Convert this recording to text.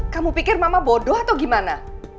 kamu pikir mama bodoh atau gimana